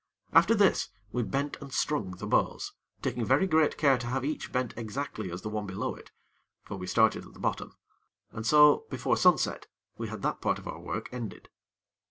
After this, we bent and strung the bows, taking very great care to have each bent exactly as the one below it; for we started at the bottom. And so, before sunset, we had that part of our work ended.